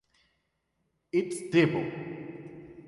It's Devo".